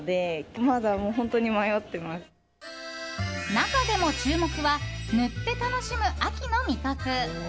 中でも注目は塗って楽しむ秋の味覚！